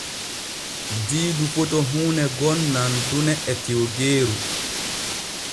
Diidu foto huune gon nandune e tiwgeeru.